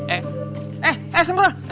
eh eh eh sebenernya